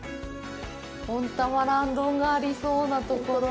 温たまらん丼がありそうなところは。